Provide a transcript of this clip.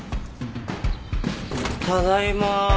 ただいま。